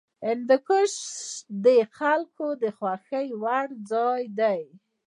هندوکش د خلکو د خوښې وړ ځای دی.